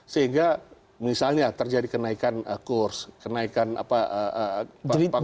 sehingga misalnya terjadi kenaikan kurs kenaikan pangkat